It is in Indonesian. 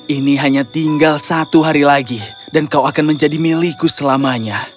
ini hanya tinggal satu hari lagi dan kau akan menjadi milikku selamanya